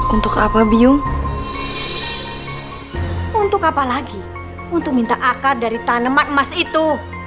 untuk apa bingung untuk apa lagi untuk minta akar dari tanaman emas itu